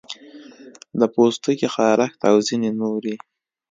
د پوستکي خارښت او ځینې نورې